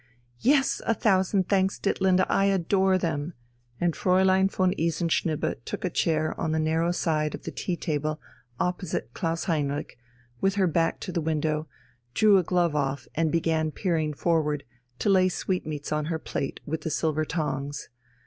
"Yes, a thousand thanks, Ditlinde, I adore them!" And Fräulein von Isenschnibbe took a chair on the narrow side of the tea table opposite Klaus Heinrich, with her back to the window, drew a glove off and began peering forward, to lay sweetmeats on her plate with the silver tongs.